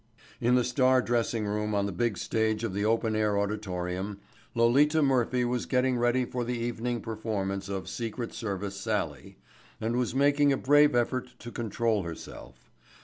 In the star dressing room on the big stage of the open air auditorium Lolita Murphy was getting ready for the evening performance of "Secret Service Sallie," and was making a brave effort to control herself.